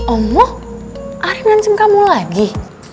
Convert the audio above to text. omoh ari ngancam kamu lagi